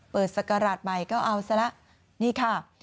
เปิดสักกระดาษใหม่ก็เอาซะละนี่ค่ะ